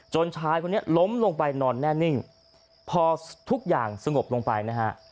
ชายคนนี้ล้มลงไปนอนแน่นิ่งพอทุกอย่างสงบลงไปนะฮะ